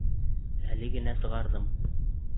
Әле генә сығарҙым.